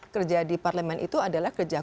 kerja di parlemen itu adalah kerja di kutomi